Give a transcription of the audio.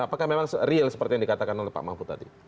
apakah memang real seperti yang dikatakan oleh pak mahfud tadi